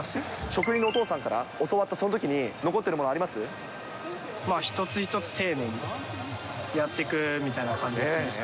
職人のお父さんから教わった、そのときに残っているものありま一つ一つ丁寧にやっていくみたいな感じですかね。